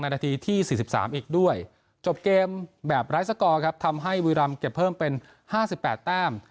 นาทีที่๔๓อีกด้วยจบเกมแบบไร้สกอร์ครับทำให้บุรีรำเก็บเพิ่มเป็น๕๘แต้ม